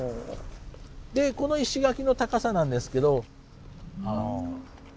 この石垣の高さなんですけど。